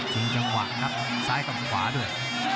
ซึ่งจะหวั่งซ้ายกับขวาด่วน